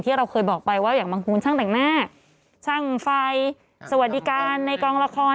เราเคยบอกไปว่าอย่างบางคนช่างแต่งหน้าช่างไฟสวัสดีการในกองละคร